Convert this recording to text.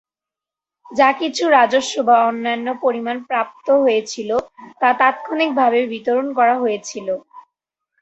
যা কিছু রাজস্ব বা অন্যান্য পরিমাণ প্রাপ্ত হয়েছিল তা তাৎক্ষণিকভাবে বিতরণ করা হয়েছিল।